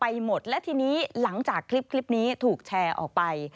หมดและทีนี้หลังจากคลิปนี้ถูกแชร์ออกไป